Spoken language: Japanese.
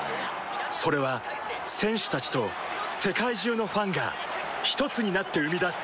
それは選手たちと世界中のファンがひとつになって生み出す